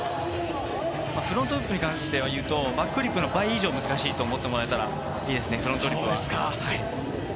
フロントフリップに関して言うと、バックフリップの倍以上難しいと思ってもらえたらいいです、フロントフリップは。